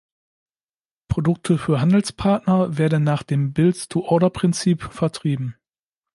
Produkte für Handelspartner werden nach dem Build-to-Order-Prinzip vertrieben.